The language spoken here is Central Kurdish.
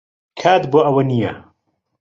کات بۆ ئەوە نییە.